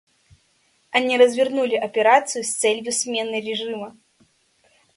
Они развернули операцию с целью смены режима.